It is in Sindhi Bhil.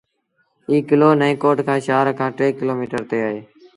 ايٚ ڪلو نئيٚن ڪوٽ شآهر کآݩ ٽي ڪلوميٚٽر تي اهي۔